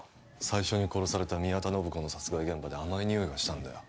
最初に殺された宮田信子の殺害現場で甘い匂いがしたんだよ